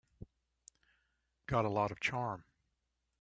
Got a lot of charm.